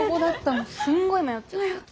もうすんごい迷っちゃった。